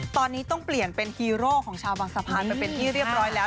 ตอนนี้ต้องเปลี่ยนเป็นฮีโร่ของชาวบางสะพานไปเป็นที่เรียบร้อยแล้ว